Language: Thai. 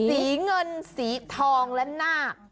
สีเงินสีทองและนาค